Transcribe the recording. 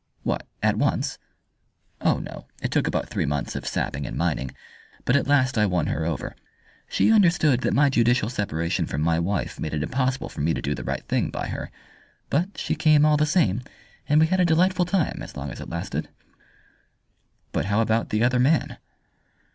"What at once?" "Oh, no, it took about three months of sapping and mining. But at last I won her over. She understood that my judicial separation from my wife made it impossible for me to do the right thing by her but she came all the same, and we had a delightful time, as long as it lasted." "But how about the other man?"